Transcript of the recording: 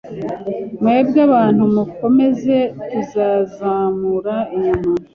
Mwebwe abantu mukomeze. Tuzazamura inyuma